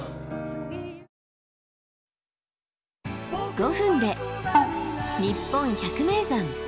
５分で「にっぽん百名山」。